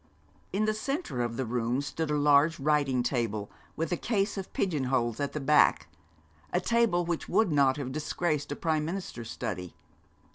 In the centre of the room stood a large writing table, with a case of pigeon holes at the back, a table which would not have disgraced a Prime Minister's study.